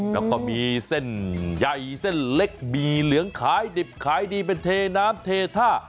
แล้วก็มีเส้นใหญ่เส้นเล็กบีเหลืองขายดิบขายดีเป็นเทน้ำเทท่า